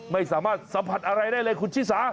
ไม่สามารถสัมผัสอะไรได้เลยคุณชิสา